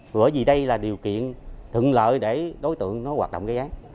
bởi vì đây là điều kiện thượng lợi để đối tượng hoạt động gây án